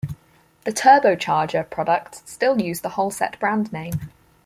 The turbocharger products still use the Holset brand name.